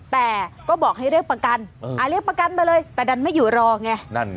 แต่ก็บอกให้เรียกประกันเรียกประกันมาเลยแต่ดันไม่อยู่รอไง